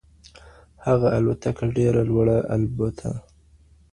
هغه الوتکه ډېره لوړه البوته.